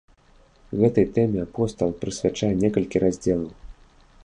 Гэтай тэме апостал прысвячае некалькі раздзелаў.